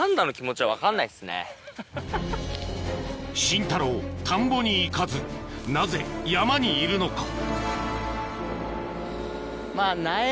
シンタロー田んぼに行かずなぜ山にいるのか？